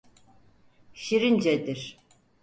Şirince'dir…